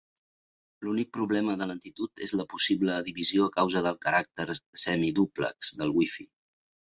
L'únic problema de lentitud és la possible divisió a causa del caràcter semidúplex del wifi.